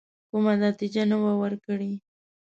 کومه نتیجه نه وه ورکړې.